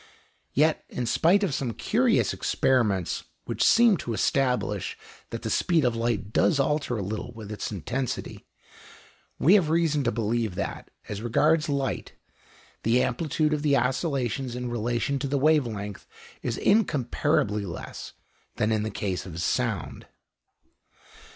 Yet, in spite of some curious experiments which seem to establish that the speed of light does alter a little with its intensity, we have reason to believe that, as regards light, the amplitude of the oscillations in relation to the wave length is incomparably less than in the case of sound.